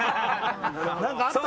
なんかあった？